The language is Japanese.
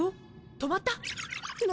止まったノ